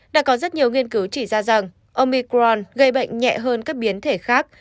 đã có rất nhiều nghiên cứu chỉ ra rằng omicron gây bệnh nhẹ hơn các biến thể khác